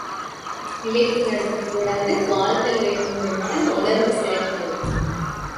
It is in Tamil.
பிழைப்பு நடத்தக் கூடாது, வாழ்தல் வேண்டும் என்ற உணர்வு சிறக்க வேண்டும்.